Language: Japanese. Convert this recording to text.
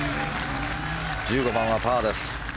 １５番はパーです。